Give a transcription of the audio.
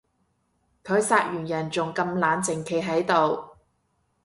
佢殺完人仲咁冷靜企喺度